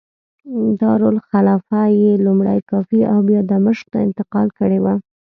دارالخلافه یې لومړی کوفې او بیا دمشق ته انتقال کړې وه.